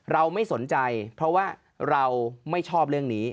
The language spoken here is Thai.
เราไม่สนใจเพราะว่าเราไม่ชอบเรื่องนี้